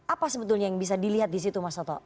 apa sebetulnya yang bisa dilihat di situ mas toto